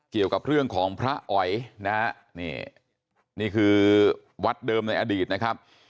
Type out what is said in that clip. เกี่ยวกับเรื่องของพระอ๋อยนะฮะนี่นี่คือวัดเดิมในอดีตนะครับ